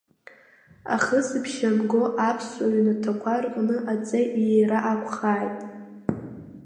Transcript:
Ахысыбжьы анго аԥсуа ҩнаҭақәа рҟны аҵеи иира акәхааит.